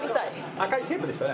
赤いテープでしたね。